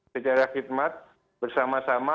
secara khidmat bersama sama